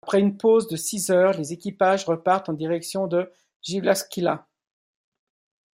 Après une pause de six heures, les équipages repartent en direction de Jyväskylä.